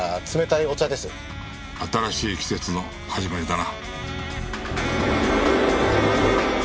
新しい季節の始まりだな。